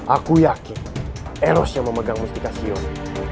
aku yakin eros yang memegang mustikasi ini